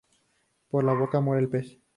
Por la boca muere el pez